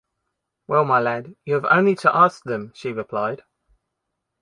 “Well, my lad, you’ve only to ask them,” she replied.